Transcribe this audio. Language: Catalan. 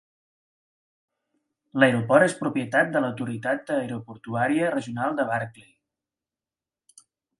L'aeroport és propietat de l'Autoritat Aeroportuària Regional de Barkley.